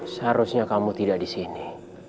seharusnya kamu tidak di sini